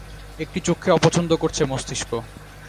একটি চোখকে অপছন্দও করছে মস্তিষ্ক।